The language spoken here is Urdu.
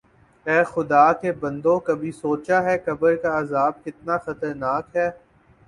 اے خدا کے بندوں کبھی سوچا ہے قبر کا عذاب کتنا خطرناک ہے